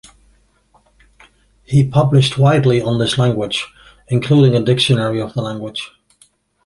He published widely on this language, including a dictionary of the language.